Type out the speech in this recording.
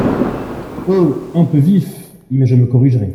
Oh ! un peu vif, mais je me corrigerai…